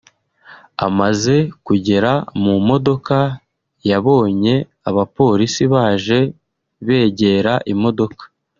Amaze kugera mu modoka yabonye abapolisi baje begera imodoka